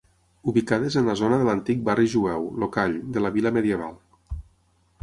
Ubicades en la zona de l'antic barri jueu, el call, de la vila medieval.